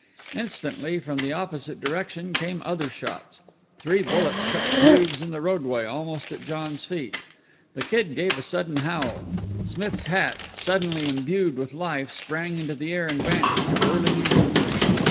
Instantly from the opposite direction came other shots. Three bullets cut grooves in the roadway almost at John's feet. The Kid gave a sudden howl. Smith's hat, suddenly imbued with life, sprang into the air and vanished, whirling into the night.